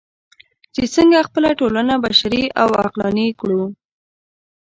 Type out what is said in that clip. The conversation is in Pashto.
چې څنګه خپله ټولنه بشري او عقلاني کړو.